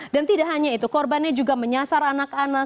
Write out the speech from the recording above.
dan tidak hanya itu korbannya juga menyasar anak anak